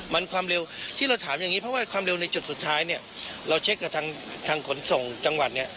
มันความเร็วที่เราถามอย่างนี้เพราะว่าความเร็วในจุดสุดท้ายเนี่ยเราเช็คกับทางขนส่งจังหวัดเนี่ย